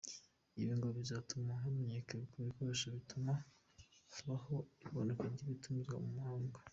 Ibi ngo bizatuma bamenyera kubikoresha bitume habaho igabanuka ry’ibitumizwa mu mahanga.